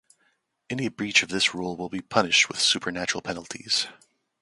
Any breach of this rule will be punished with supernatural penalties.